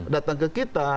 datang ke kita